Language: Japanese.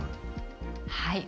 はい。